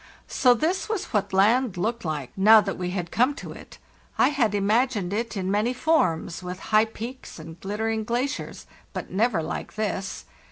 So this was what land looked lke, now that we had come to it! I had imagined it in many forms, with high peaks and glittering glaciers, but never like this.